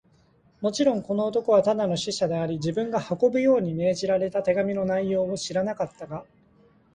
もちろん、この男はただの使者であり、自分が運ぶように命じられた手紙の内容を知らなかったが、